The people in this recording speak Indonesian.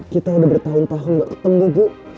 kita udah bertahun tahun gak ketemu bu